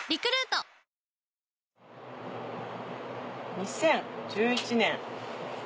２０１１年。